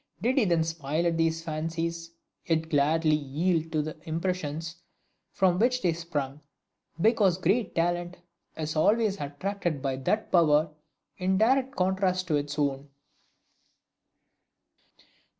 Did he then smile at these fancies, yet gladly yield to the impressions from which they sprung, because great talent is always attracted by that power in direct contrast to its own?